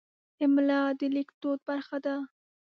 املا د لیکدود برخه ده.